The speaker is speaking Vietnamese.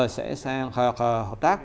sẽ hợp tác